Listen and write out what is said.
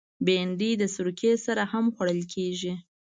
بېنډۍ د سرکه سره هم خوړل کېږي